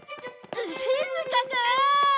しずかくん！